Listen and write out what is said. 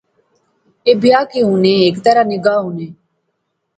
ایہہ بیاہ کہیہ ہونے ہیک طرح نے گاہ ہونے